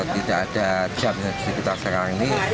tidak ada jam di sekitar sekarang ini